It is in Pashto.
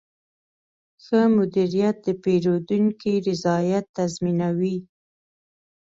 ښه مدیریت د پیرودونکي رضایت تضمینوي.